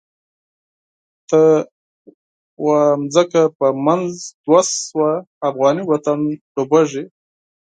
ته واځمکه په منځ دوه شوه، افغانی وطن ډوبیږی